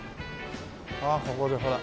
ああここでほら。